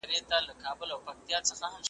ما د خون او قتل تخم دئ كرلى ,